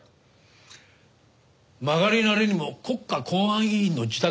曲がりなりにも国家公安委員の自宅だろう？